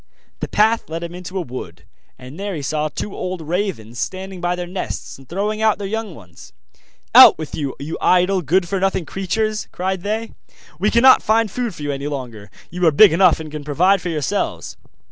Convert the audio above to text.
The path led him into a wood, and there he saw two old ravens standing by their nest, and throwing out their young ones. 'Out with you, you idle, good for nothing creatures!' cried they; 'we cannot find food for you any longer; you are big enough, and can provide for yourselves.